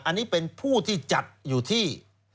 อันนี้เป็นผู้ที่จัดอยู่ที่